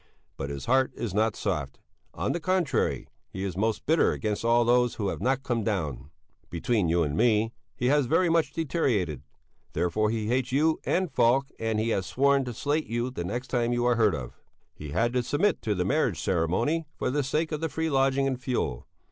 But his heart is not soft, on the contrary, he is most bitter against all those who have not come down; between you and me, he has very much deteriorated; therefore he hates you and Falk, and he has sworn to slate you next time you are heard of. He had to submit to the marriage ceremony for the sake of the free lodging and fuel.